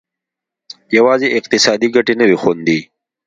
یوازې اقتصادي ګټې نه وې خوندي.